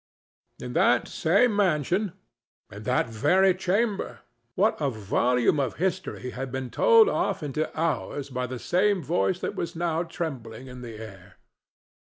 In that same mansion—in that very chamber—what a volume of history had been told off into hours by the same voice that was now trembling in the air!